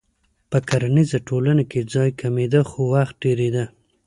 په کرنیزه ټولنه کې ځای کمېده خو وخت ډېرېده.